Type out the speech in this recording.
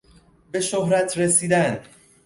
به شهرت رسیدن